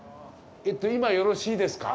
今よろしいですか？